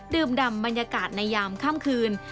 ดำบรรยากาศในยามค่ำคืน